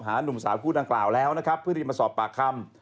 หาหนุ่มสาวคู่ดังกล่าวพื้นที่มาสอบปากคำ